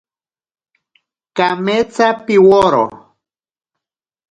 Kametsa piworo.